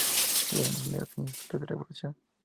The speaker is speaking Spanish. La isla de Negros inició su propia revolución.